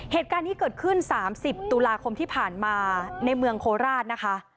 เหตุการณ์นี้เกิดขึ้น๓๐ตุลาคมที่ผ่านมาในเมืองโคราชนะคะ